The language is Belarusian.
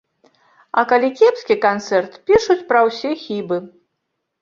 А калі кепскі канцэрт, пішуць пра ўсе хібы.